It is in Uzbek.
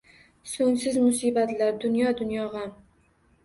So’ngsiz musibatlar, dunyo-dunyo g’am.